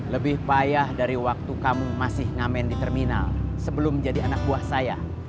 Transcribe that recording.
lebih payah dari waktu kamu masih ngamen di terminal sebelum menjadi anak buah saya